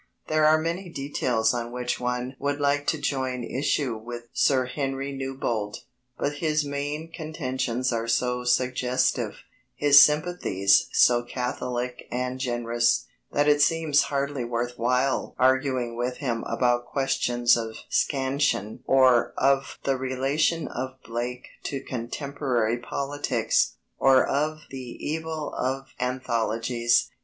There are many details on which one would like to join issue with Sir Henry Newbolt, but his main contentions are so suggestive, his sympathies so catholic and generous, that it seems hardly worth while arguing with him about questions of scansion or of the relation of Blake to contemporary politics, or of the evil of anthologies.